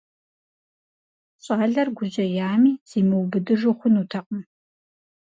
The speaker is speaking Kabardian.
ЩӀалэр гужьеями, зимыубыдыжу хъунутэкъым.